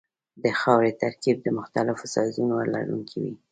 د خاورې ترکیب د مختلفو سایزونو لرونکی وي